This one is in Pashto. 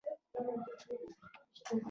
د تیلو او موبلاین ټولې معاملې په نغدو پیسو کیږي